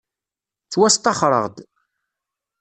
Ttwasṭaxreɣ-d.